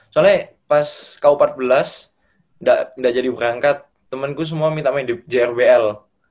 soalnya pas ku empat belas tidak jadi berangkat temenku semua minta main di jrbl